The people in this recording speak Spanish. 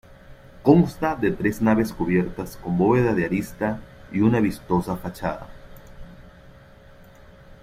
Consta de tres naves cubiertas con bóveda de arista y una vistosa fachada.